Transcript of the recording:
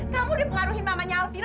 kamu dipengaruhi mamanya alvino